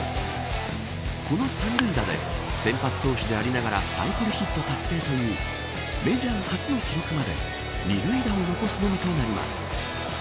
この三塁打で先発投手でありながらサイクルヒット達成というメジャー初の記録まで二塁打を残すのみとなります。